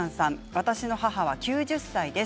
私の母は９０歳です。